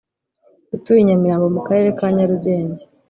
utuye i Nyamirambo mu karere ka Nyarugenge